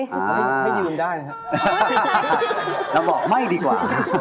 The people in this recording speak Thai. เราเดี๋ยวบอกไม่ดีกว่ะ